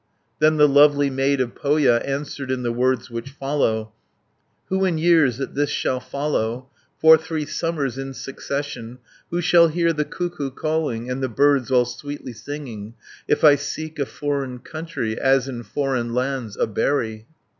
Then the lovely maid of Pohja Answered in the words which follow: 440 "Who in years that this shall follow, For three summers in succession, Who shall hear the cuckoo calling, And the birds all sweetly singing, If I seek a foreign country, As in foreign lands a berry?